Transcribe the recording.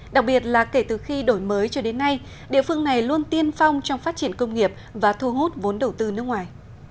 đặc biệt là kể từ khi đổi mới cho đến nay địa phương này luôn tiên phong trong phát triển công nghiệp và thu hút vốn đầu tư nước ngoài